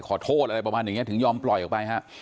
ขอโทษอะไรประมาณอย่างนี้ถึงยอมปล่อยออกไปฮะ